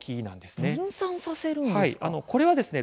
分散させるんですか？